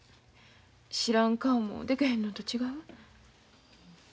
知らん顔もでけへんのと違う？